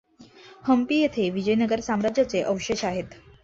हंपी येथे विजयनगर साम्राज्याचे अवशेष आहेत.